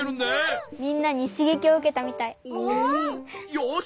よし。